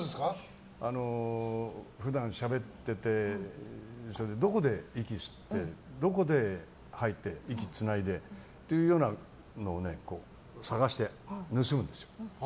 普段しゃべっててどこで息してどこで吐いて息つないでっていうようなのを探して、盗むんですよ。